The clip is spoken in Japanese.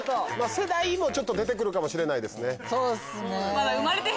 世代も出て来るかもしれないですね。